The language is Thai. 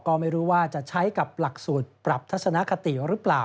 ก็ไม่รู้ว่าจะใช้กับหลักสูตรปรับทัศนคติหรือเปล่า